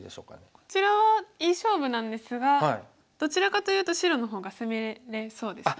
こちらはいい勝負なんですがどちらかというと白の方が攻めれそうですね。